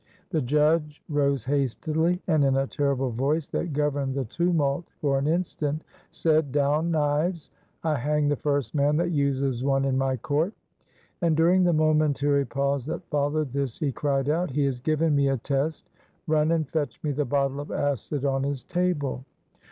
The judge rose hastily, and in a terrible voice that governed the tumult for an instant said: "Down knives! I hang the first man that uses one in my court." And during the momentary pause that followed this he cried out: "He has given me a test. Run and fetch me the bottle of acid on his table."